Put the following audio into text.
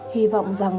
hy vọng rằng